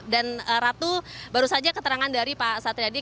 dan ratu baru saja keterangan dari pak satriadi